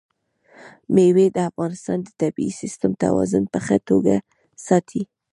مېوې د افغانستان د طبعي سیسټم توازن په ښه توګه ساتي.